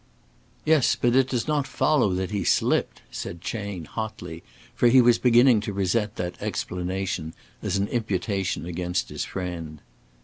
"Yes, but it does not follow that he slipped," said Chayne, hotly, for he was beginning to resent that explanation as an imputation against his friend.